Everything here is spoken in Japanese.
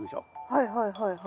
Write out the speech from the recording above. はいはいはいはい。